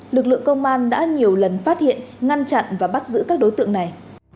lực lượng công an đã nhiều lần phát hiện ngăn chặn và bắt giữ các đối tượng này